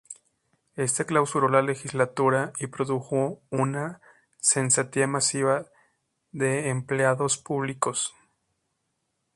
Éste clausuró la Legislatura y produjo una cesantía masiva de empleados públicos.